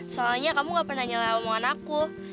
soalnya kamu gak pernah nyala omongan aku